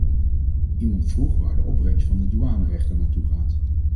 Iemand vroeg waar de opbrengst van de douanerechten naar toe gaat.